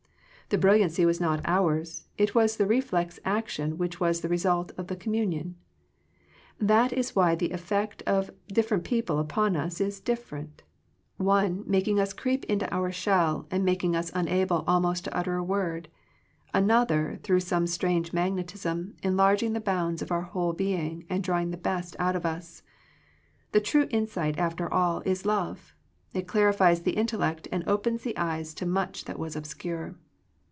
The brilliancy was not ours; it was the reflex action which was the result of the communion. That is why the effect of different people upon us is different, one making us creep into our shell and mak ing us unable almost to utter a word; an other through some strange magnetism enlarging the bounds of our whole being and drawing the best out of us. The true insight after all is love. It clarifies the intellect, and opens the eyes to much that was obscure.